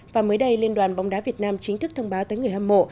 và mới đây liên đoàn bóng đá việt nam chính thức thông báo tới người hâm mộ